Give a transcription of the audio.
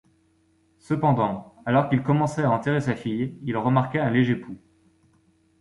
Cependant, alors qu'il commençait à enterrer sa fille, il remarqua un léger pouls.